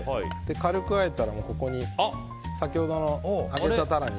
軽くあえたら先ほどの揚げたタラに。